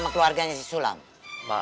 eeh badannya bigalah